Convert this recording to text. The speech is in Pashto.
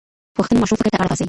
پوښتنه ماشوم فکر ته اړ باسي.